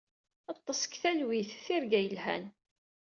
Ḍḍes deg talwit. Tirga yelhan.